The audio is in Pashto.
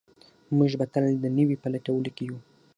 موږ به تل د نوي په لټولو کې یو.